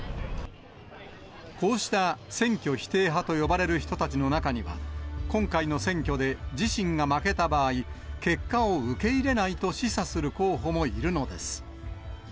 こうした選挙否定派と呼ばれる人たちの中には、今回の選挙で自身が負けた場合、結果を受け入れないと示唆する候補もいるのです。